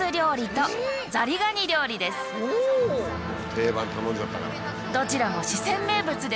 定番頼んじゃったから。